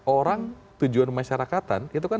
orang tujuan masyarakatan itu kan